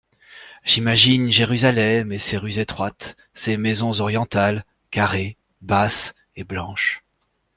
J'imagine Jérusalem et ses rues étroites, ses maisons orientales, carrées, basses et blanches.